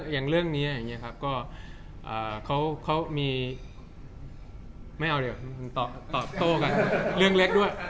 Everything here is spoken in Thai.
อย่างเรื่องนี้อย่างนี้ครับก็เขามีไม่เอาเดี๋ยวตอบโต้กันเรื่องเล็กด้วย